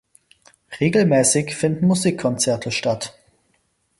Regelmäßig finden Musikkonzerte statt.